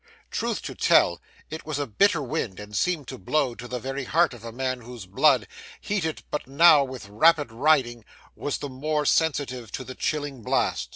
Truth to tell, it was a bitter wind, and seemed to blow to the very heart of a man whose blood, heated but now with rapid riding, was the more sensitive to the chilling blast.